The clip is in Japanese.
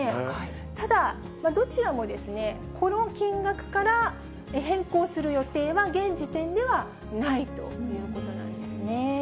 ただ、どちらもこの金額から変更する予定は、現時点ではないということなんですね。